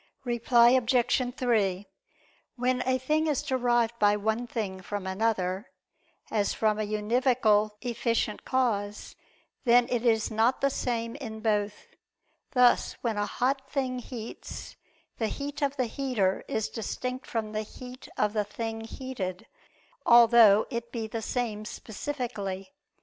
Reply Obj. 3: When a thing is derived by one thing from another, as from a univocal efficient cause, then it is not the same in both: thus when a hot thing heats, the heat of the heater is distinct from the heat of the thing heated, although it be the same specifically.